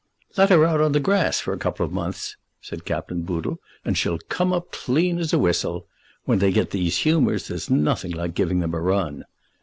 "Let her out on the grass for a couple of months," said Captain Boodle, "and she'll come up as clean as a whistle. When they get these humours there's nothing like giving them a run."